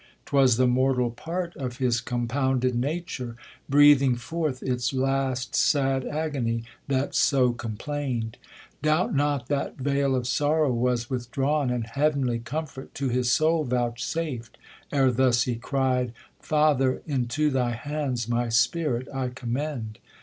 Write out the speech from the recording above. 'Twas the mortal part Of his compounded nature, breathing forth Its last sad agony, that so complain'd : Doubt not that vail of sorrow was withdrawn, And heav'nly comfort to his soul vouchsaPd, Ere thus'he cry'd. Father ! into thy hands My spirit I commend.